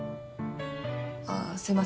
ああすいません。